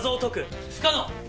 不可能。